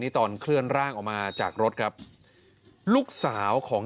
ตอนเคลื่อนร่างออกมาจากรถครับลูกสาวของ